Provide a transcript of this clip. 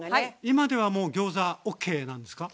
今ではもうギョーザＯＫなんですか？